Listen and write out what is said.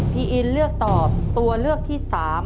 พี่อินเลือกตอบตัวเลือกที่๓